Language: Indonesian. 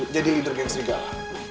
jadi leader geng serigala